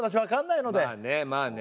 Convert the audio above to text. まあねまあね。